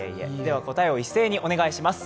答えを一斉にお願いします。